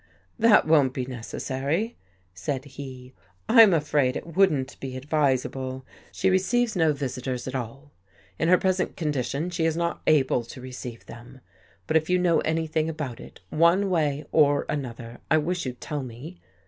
" That won't be necessary," said he. " I'm afraid it wouldn't be advisable. She receives no visitors at all. In her present condition she is not able to re ceive them. But, if you know anything about it, one way or another, I wish you'd tell me.